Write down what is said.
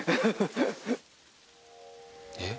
「えっ？」